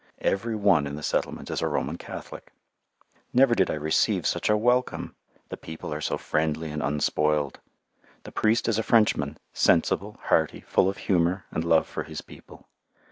Every one in the settlement is a Roman Catholic. Never did I receive such a welcome; the people are so friendly and unspoiled. The priest is a Frenchman, sensible, hearty, full of humour and love for his people.